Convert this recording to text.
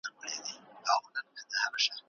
ایا ځايي کروندګر شین ممیز ساتي؟